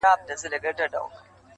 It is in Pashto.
چنګ دي کم رباب دي کم سارنګ دي کم!